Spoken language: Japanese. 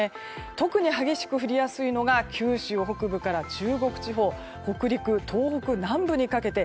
特に激しく降りやすいのが九州北部から中国地方北陸、東北南部にかけて。